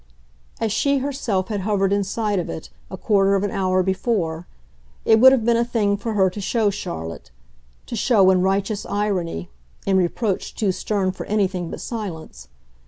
As she herself had hovered in sight of it a quarter of an hour before, it would have been a thing for her to show Charlotte to show in righteous irony, in reproach too stern for anything but silence.